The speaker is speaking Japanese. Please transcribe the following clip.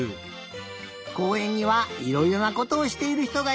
こうえんにはいろいろなことをしているひとがいるんだね。